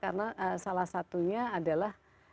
karena salah satunya adalah